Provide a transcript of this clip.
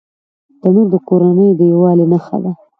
تنور د کورنۍ د یووالي نښه ده